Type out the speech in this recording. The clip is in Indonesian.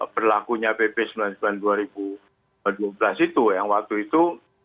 berlakunya pp sembilan puluh sembilan dua ribu dua belas itu yang waktu itu